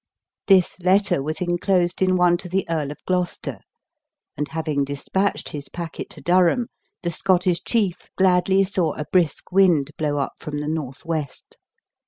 This letter was inclosed in one to the Earl of Gloucester, and having dispatched his packet to Durham, the Scottish chief gladly saw a brisk wind blow up from the north west.